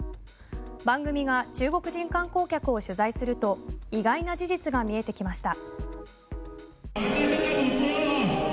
番組が中国人観光客を取材すると意外な事実が見えてきました。